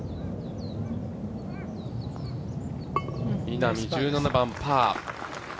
稲見１７番パー。